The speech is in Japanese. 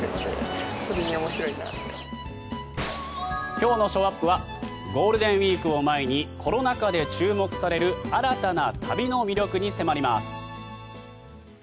今日のショーアップはゴールデンウィークを前にコロナ禍で注目される新たな旅の魅力に迫ります。